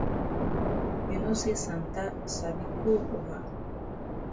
You know say Santa sabi cold over.